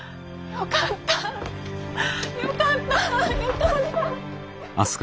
よかったよかった。